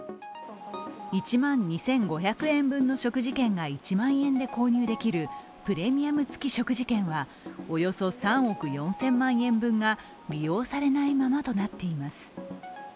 １万２５００円分の食事券が１万円で購入できるプレミアム付き食事券はおよそ３億４０００万円分が利用されないままとなっています。